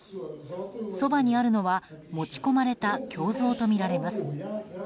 そばにあるのは、持ち込まれた胸像とみられます。